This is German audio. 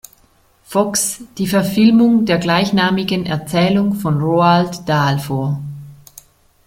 Fox" die Verfilmung der gleichnamigen Erzählung von Roald Dahl vor.